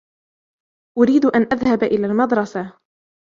أريد أن أذهب إلى المدرسة.